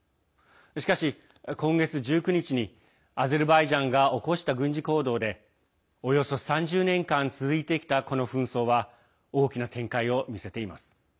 しかし、今月１９日にアゼルバイジャンが起こした軍事行動でおよそ３０年間続いてきたこの紛争は大きな展開を見せています。